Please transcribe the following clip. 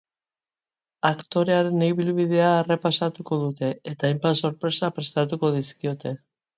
Aktorearen ibilbidea errepasatuko dute eta hainbat sorpresa prestatuko dizkiote.